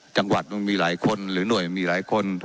จังหวัดมันมีหลายคนหรือหน่วยมีหลายคน